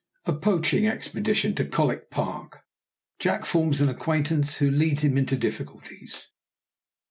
A POACHING EXPEDITION TO COLWICK PARK JACK FORMS AN ACQUAINTANCE WHO LEADS HIM INTO DIFFICULTIES.